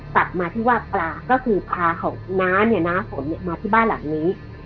ตัดมาที่ว่าปลาก็คือพาของน้านน้าฝนมาที่บ้านหลังนี้